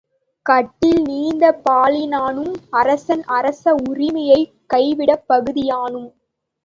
கட்டில் நீத்த பாலினானும் அரசன் அரச உரிமையைக் கைவிட்ட பகுதியானும்.